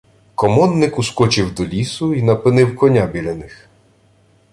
Комонник ускочив до лісу й напинив коня біля них.